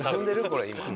これ今。